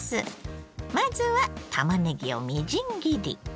まずはたまねぎをみじん切り。